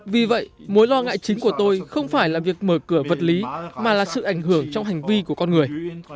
vì vậy mối lo ngại chính của tôi không phải là việc mở cửa vật lý mà là sự ảnh hưởng trong hành vi của con người